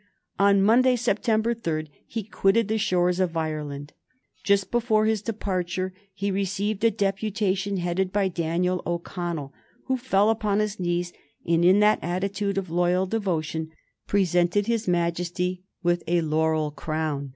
On Monday, September 3, he quitted the shores of Ireland. Just before his departure he received a deputation headed by Daniel O'Connell, who fell upon his knees, and in that attitude of loyal devotion presented his Majesty with a laurel crown.